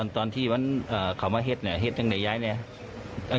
ตอนที่มาเผาเฮ็ดจังหลายยาย